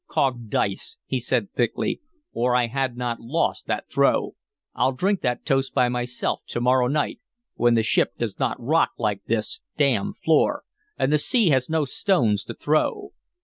"Cogged dice," he said thickly, "or I had not lost that throw! I'll drink that toast by myself to morrow night, when the ship does n't rock like this d d floor, and the sea has no stones to throw.